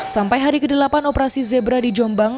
sampai hari ke delapan operasi zebra di jombang